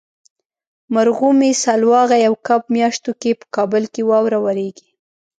مرغومي ، سلواغې او کب میاشتو کې په کابل کې واوره وریږي.